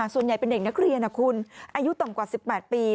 ส่วนใหญ่เป็นเด็กนักเรียนนะคุณอายุต่ำกว่า๑๘ปี